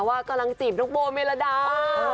ว่ากำลังจีบน้องโบเมลดา